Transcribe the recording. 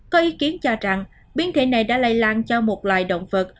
có ý kiến cho rằng biến thể này đã lây lan cho một loài động vật